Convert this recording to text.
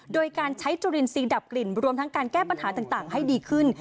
โดยการใช้จุลินทรีย์ดับกลิ่นรวมทั้งการแก้ปัญหาต่างให้ดีขึ้น